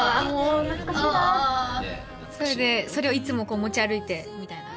それをいつも持ち歩いてみたいな？